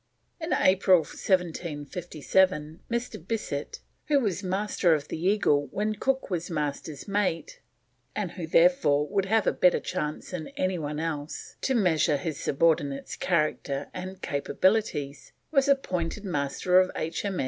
In April 1757 Mr. Bissett, who was Master of the Eagle when Cook was Master's mate, and who therefore would have a better chance than any one else to measure his subordinate's character and capabilities, was appointed Master of H.